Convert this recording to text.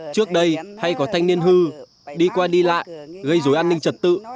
trước đây hay có thanh niên hư đi qua đi lại gây dối an ninh trật tự